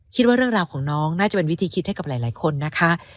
คิดว่าเรื่องราวของน้องน่าจะเป็นวิธีคิดให้กับหลายคนนะคะ